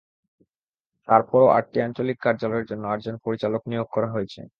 তার পরও আটটি আঞ্চলিক কার্যালয়ের জন্য আটজন পরিচালক নিয়োগ করা হয়েছে।